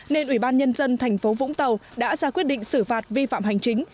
nên ủy ban nhân dân thành phố vũng tàu đã ra quyết định xử phạt vi phạm hành chính